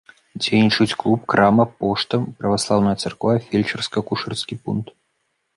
Дзейнічаюць клуб, крама, пошта, праваслаўная царква, фельчарска-акушэрскі пункт.